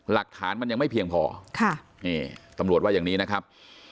หลักฐานมันยังไม่เพียงพอค่ะนี่ตำรวจว่าอย่างนี้นะครับ